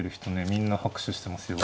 みんな拍手してますよ。